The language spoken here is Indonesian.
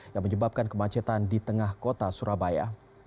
yang menyebabkan kemacetan di tengah kota surabaya